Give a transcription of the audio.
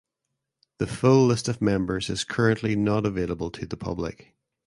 The full list of members is currently not available to the public.